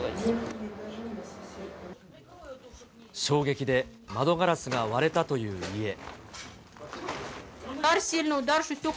衝撃で窓ガラスが割れたという家。